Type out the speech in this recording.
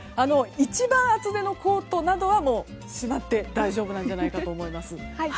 一番厚手のコートなどはしまって大丈夫じゃないかと思います。